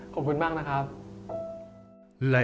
ขอบคุณมากนะครับ